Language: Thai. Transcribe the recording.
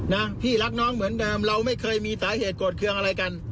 นะพี่รักน้องเหมือนเดิมเราไม่เคยมีสาเหตุโกรธเครื่องอะไรกัน